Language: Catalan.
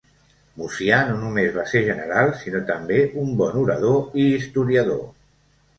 Mucià no només va ser general, sinó també un bon orador i historiador.